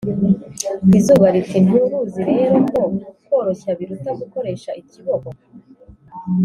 izuba riti «nturuzi rero ko koroshya biruta gukoresha ikiboko